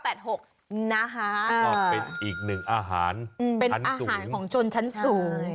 ก็เป็นอีกหนึ่งอาหารเป็นอาหารของชนชั้นสูง